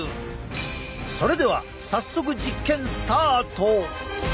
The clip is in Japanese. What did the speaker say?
それでは早速実験スタート！